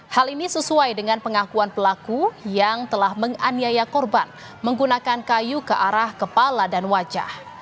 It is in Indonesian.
hal ini sesuai dengan pengakuan pelaku yang telah menganiaya korban menggunakan kayu ke arah kepala dan wajah